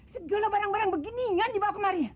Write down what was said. segalo barang barang beginian dibawa kemari